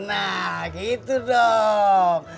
nah gitu dong